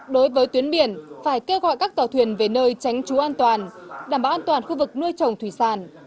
đối với tuyến biển phải kêu gọi các tàu thuyền về nơi tránh trú an toàn đảm bảo an toàn khu vực nuôi trồng thủy sản